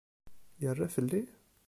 Yerra fell-i?